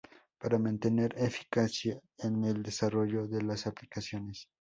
Para mantener eficacia en el desarrollo de las aplicaciones.